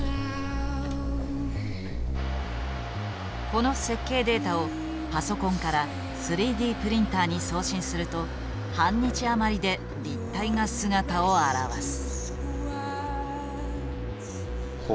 この設計データをパソコンから３Ｄプリンターに送信すると半日余りで立体が姿を現す。